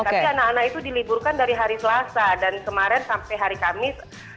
tapi anak anak itu diliburkan dari hari selasa dan kemarin sampai hari kamis